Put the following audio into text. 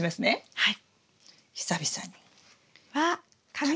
はい。